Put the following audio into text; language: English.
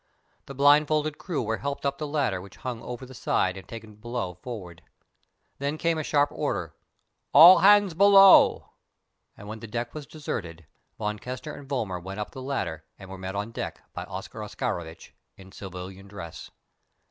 The blindfolded crew were helped up the ladder which hung over the side and taken below forward. Then came a sharp order: "All hands below"; and when the deck was deserted, Von Kessner and Vollmar went up the ladder and were met on deck by Oscar Oscarovitch in civilian dress.